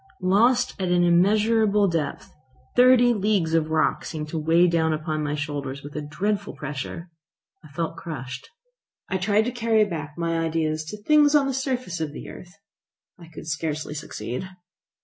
Lost at an immeasurable depth! Thirty leagues of rock seemed to weigh upon my shoulders with a dreadful pressure. I felt crushed. I tried to carry back my ideas to things on the surface of the earth. I could scarcely succeed.